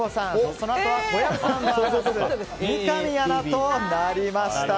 そのあとは小籔さんＶＳ三上アナとなりました。